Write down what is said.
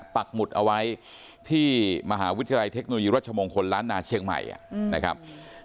ปักหมุดเอาไว้ที่มหาวิทยาลัยเทคโนโลยีรัชมงคลล้านนาเชียงใหม่นะครับ